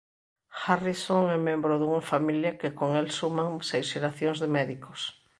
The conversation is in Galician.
Harrison é membro dunha familia que con el suman seis xeracións de médicos.